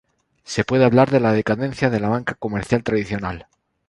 Se puede hablar de la decadencia de la banca comercial tradicional.